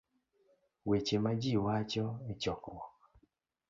weche ma ji wacho e chokruok